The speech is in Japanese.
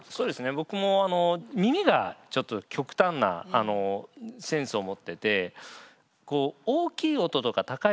僕も耳がちょっと極端なセンスを持ってて。